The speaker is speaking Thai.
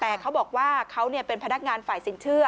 แต่เขาบอกว่าเขาเป็นพนักงานฝ่ายสินเชื่อ